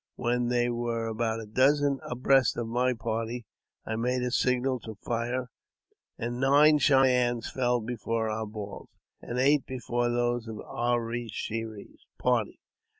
Whe^B there were about a dozen abreast of my party, I made a signal " to fire, and nine Cheyennes fell before our balls, and eight before those of A re she res's party.